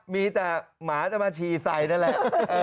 มีแต่หมาจะมาฉี่ใส่นั่นแหละ